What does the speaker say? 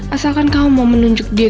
asalkan kamu mau menunjuk dia ke tuhan